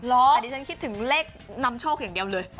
แต่ดิฉันคิดถึงเลขนำโชคอย่างเดียวเลย